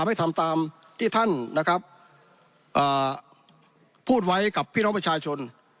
ไม่ทำตามที่ท่านนะครับพูดไว้กับพี่น้องประชาชน